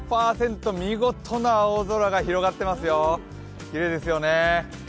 見事な青空が広がってますよ、きれいですね。